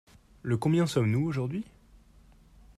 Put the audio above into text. Le combien sommes-nous aujourd'hui ?